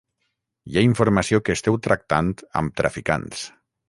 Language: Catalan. Hi ha informació que esteu tractant amb traficants.